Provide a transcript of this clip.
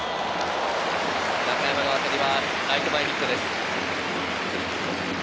中山の当たりはライト前ヒットです。